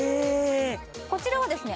こちらはですね